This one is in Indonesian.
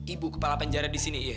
ibu kepala penjara disini iya